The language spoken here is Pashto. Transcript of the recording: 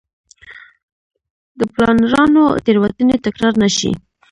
د پلانرانو تېروتنې تکرار نه شي.